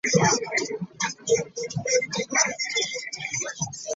Abalondesa bakubibwa enkya n'eggulo.